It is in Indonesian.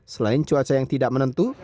selain cuaca yang tidak menentu